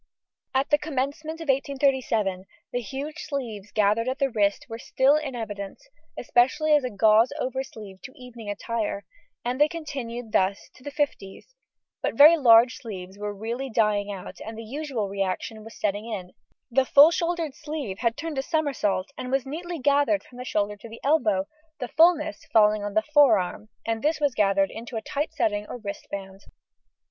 At the commencement in 1837 the huge sleeves gathered at the wrist were still in evidence, especially as a gauze oversleeve to evening attire, and they continued thus to the fifties, but very large sleeves were really dying out and the usual reaction was setting in; the full shouldered sleeve had turned a somersault and was neatly gathered tight from the shoulder to the elbow, the fullness falling on the forearm, and this was gathered into a tight setting or wristband.